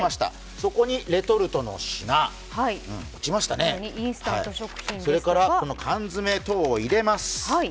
そこにレトルトの品、それから缶詰等を入れます。